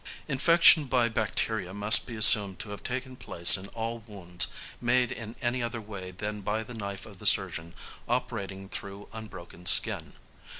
Infection by bacteria must be assumed to have taken place in all wounds made in any other way than by the knife of the surgeon operating through unbroken skin.